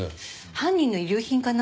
犯人の遺留品かな？